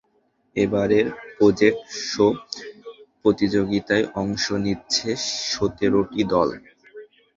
এবারের project show প্রতিযোগিতায় অংশ নিচ্ছে সতেরোটি দল।